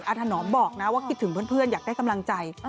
ถนอมบอกนะว่าคิดถึงเพื่อนอยากได้กำลังใจ